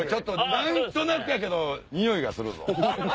何となくやけどニオイがするぞ。